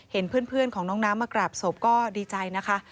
เห็นเพื่อนของน้องน้ำมากราบศพก็ดีใจนะคะ